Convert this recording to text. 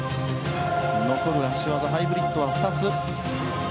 残る脚技ハイブリッドは２つ。